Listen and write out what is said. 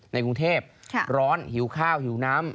ในกรุงเทพร้อนหิวข้าวหิวน้ำ